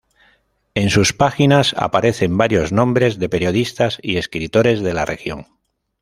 En sus páginas aparecen varios nombres de periodistas y escritores de la región.